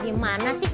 dia mana sih